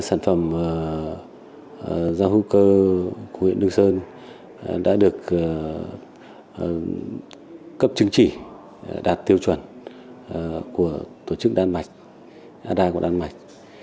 sản phẩm rau hữu cơ của huyện đương sơn đã được cấp chứng chỉ đạt tiêu chuẩn của tổ chức đan mạch của đan mạch